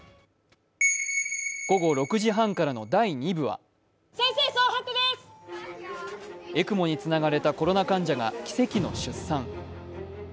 午後６時半からの第二部はＥＣＭＯにつながれたコロナ患者が奇跡の出産。